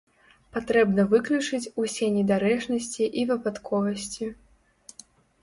Патрэбна выключыць усе недарэчнасці і выпадковасці.